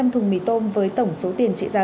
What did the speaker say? hai trăm linh thùng mì tôm với tổng số tiền trị giá